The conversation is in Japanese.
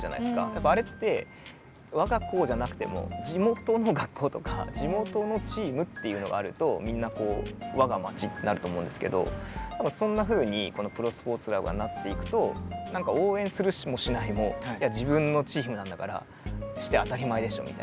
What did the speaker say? やっぱあれって我が校じゃなくても地元の学校とか地元のチームっていうのがあるとみんな我が町ってなると思うんですけどそんなふうにこのプロスポーツクラブがなっていくと何か応援するもしないも自分のチームなんだからして当たり前でしょみたいな。